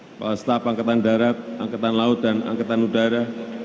kepala staf angketan darat angketan laut dan angketan udara